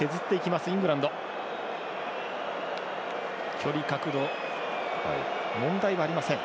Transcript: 距離、角度、問題はありません。